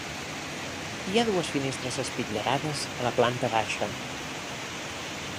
Hi ha dues finestres espitllerades a la planta baixa.